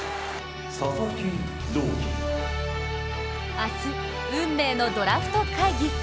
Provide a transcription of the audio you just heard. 明日、運命のドラフト会議。